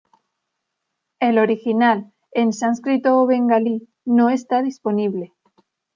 El original en sánscrito o bengalí no está disponible.